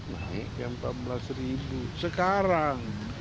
naik ke empat belas ribu sekarang